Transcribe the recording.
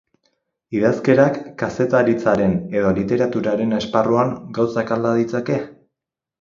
Idazkerak, kazetaritzaren edo literaturaren esparruan, gauzak alda ditzake?